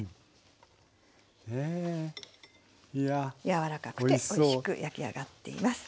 柔らかくておいしく焼き上がっています。